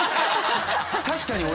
確かに俺。